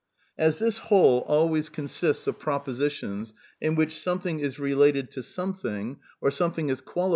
"As this whole always consists of propositions in which something is related to something, or something is qnali